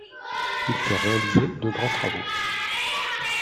Il fait réaliser de grands travaux.